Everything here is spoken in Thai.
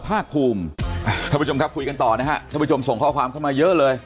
ภาคภูมิท่านผู้ชมครับคุยกันต่อนะฮะท่านผู้ชมส่งข้อความเข้ามาเยอะเลย